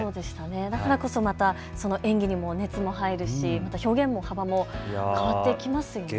だからこそ演技にも熱が入るし表現の幅も変わってきますよね。